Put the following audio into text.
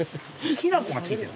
きな粉が付いてる。